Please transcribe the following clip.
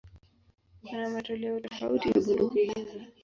Kuna matoleo tofauti ya bunduki hizo.